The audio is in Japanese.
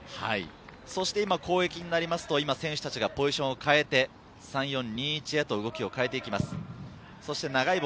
今、攻撃となりますと選手たちがポジションを変えて、３−４−２−１へと動きを変えていきます。